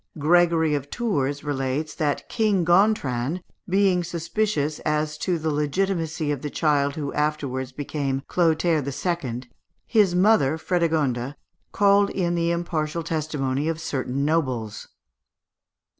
Gregory of Tours relates, that King Gontran being suspicious as to the legitimacy of the child who afterwards became Clotaire II., his mother, Frédégonde, called in the impartial testimony of certain nobles.